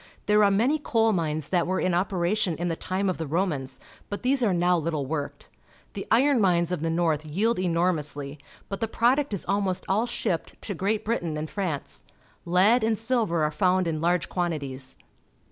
There are many coal mines that were in operation in the time of the Romans, but these are now httle worked. The iron mines of the north jdeld enormously, but the product is almost all shipped to Great Britain and France. Lead and silver are found in large quantities.